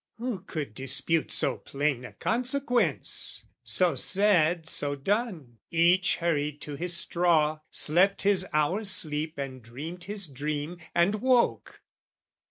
Who could dispute so plain a consequence? So said, so done: each hurried to his straw, Slept his hour's sleep and dreamed his dream, and woke.